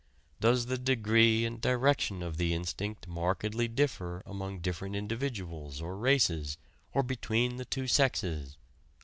Does the degree and direction of the instinct markedly differ among different individuals or races, or between the two sexes?"